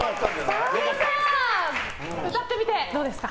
澤部さん歌ってみてどうですか？